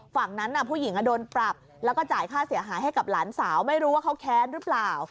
ฝั่งนั้นผู้หญิงโดนปรับแล้วก็จ่ายค่าเสียหายให้กับหลานสาวไม่รู้ว่าเขาแค้นหรือเปล่า